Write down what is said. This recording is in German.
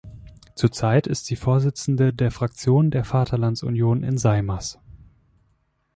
Zurzeit ist sie Vorsitzende der Fraktion der Vaterlandsunion im Seimas.